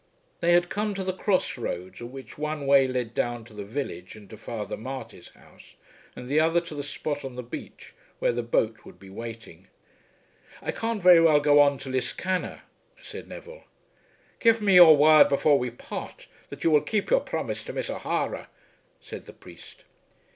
They had come to the cross roads at which one way led down to the village and to Father Marty's house, and the other to the spot on the beach where the boat would be waiting. "I can't very well go on to Liscannor," said Neville. "Give me your word before we part that you will keep your promise to Miss O'Hara," said the priest.